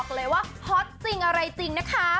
บอกเลยว่าฮอตจริงอะไรจริงนะคะ